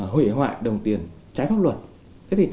hủy hoại đồng tiền trái pháp luật